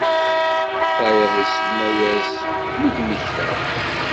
Tayeḍ isemma-as “Mi d-mmektaɣ”.